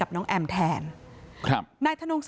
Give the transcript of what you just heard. แอมขึ้นเครงนะลูก